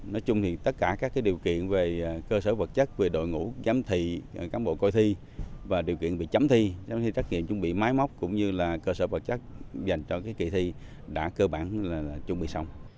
nói chung thì tất cả các điều kiện về cơ sở vật chất về đội ngũ giám thị cán bộ coi thi và điều kiện về chấm thi giám thị trách nghiệm chuẩn bị máy móc cũng như là cơ sở vật chất dành cho kỳ thi đã cơ bản là chuẩn bị xong